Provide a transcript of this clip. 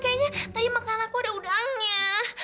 kayaknya tadi makan aku ada udangnya